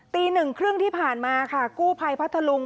ตีหนึ่งครึ่งที่ผ่านมาค่ะกู้ภัยพัทธลุง